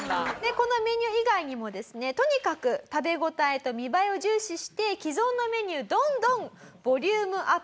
このメニュー以外にもですねとにかく食べ応えと見栄えを重視して既存のメニューどんどんボリュームアップさせます。